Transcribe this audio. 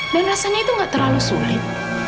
dan rasanya itu gak terlalu sulit